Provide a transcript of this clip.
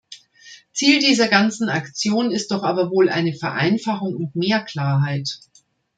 Ziel dieser ganzen Aktion ist doch aber wohl eine Vereinfachung und mehr Klarheit.